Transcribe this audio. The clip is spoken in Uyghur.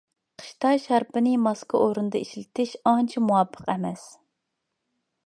قىشتا شارپىنى ماسكا ئورنىدا ئىشلىتىش ئانچە مۇۋاپىق ئەمەس.